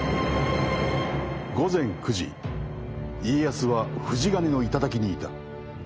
午前９時家康は富士ヶ根の頂にいた。